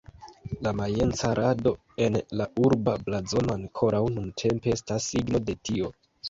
La majenca rado en la urba blazono ankoraŭ nuntempe estas signo de tio.